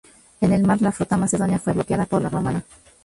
En el mar, la flota macedonia fue bloqueada por la romana.